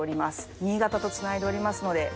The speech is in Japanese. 新潟とつないでおりますので。